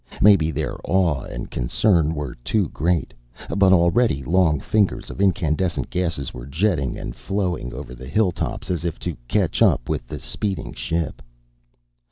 Maybe their awe and concern were too great. But already long fingers of incandescent gases were jetting and flowing over the hilltops, as if to catch up with the speeding ship.